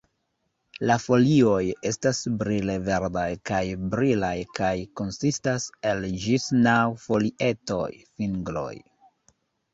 La folioj estas brile verdaj kaj brilaj kaj konsistas el ĝis naŭ folietoj (fingroj).